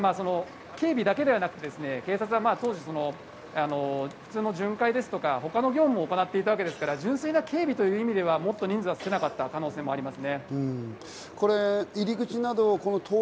ただ警備だけではなく、警察は当時、巡回や他の業務を行っていたわけですから、純粋な警備という意味では、もっと人数が少なかった可能性はあります。